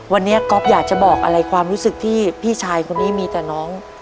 วันนี้ก๊อฟอยากจะบอกอะไรความรู้สึกที่พี่ชายคนนี้มีแต่น้อง